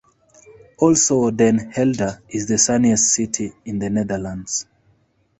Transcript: Also, Den Helder is the sunniest city in the Netherlands.